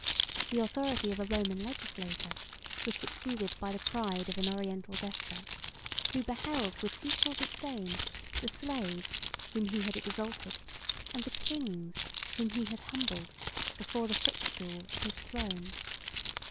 The authority of a Roman legislator, was succeeded by the pride of an Oriental despot, who beheld, with equal disdain, the slaves whom he had exalted, and the kings whom he had humbled before the footstool of his throne.